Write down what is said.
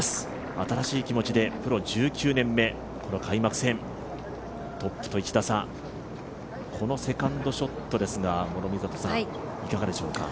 新しい気持ちでプロ１９年目、この開幕戦、トップと１打差、このセカンドショットですが、いかがでしょうか。